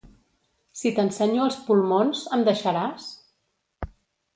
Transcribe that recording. Si t’ensenyo els pulmons, em deixaràs?